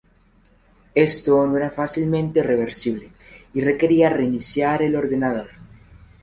Esto no era fácilmente reversible y requería reiniciar el ordenador.